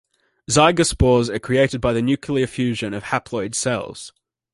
Zygospores are created by the nuclear fusion of haploid cells.